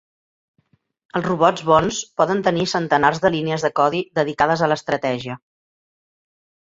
Els robots bons poden tenir centenars de línies de codi dedicades a l'estratègia.